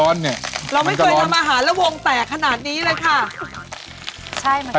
โอ๊ยของเชฟก็กระเด้นค่ะ